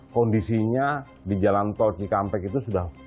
kondisinya di jalan tol cikampek itu sudah